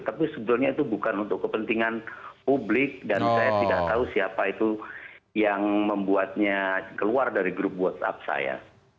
tapi sebetulnya itu bukan untuk kepentingan publik dan saya tidak tahu siapa itu yang membuatnya keluar dari grup whatsapp saya